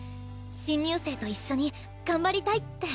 新入生と一緒に頑張りたいって。